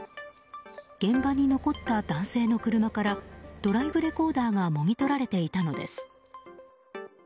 現場に残った男性の車からドライブレコーダーがもぎ取られていたのです。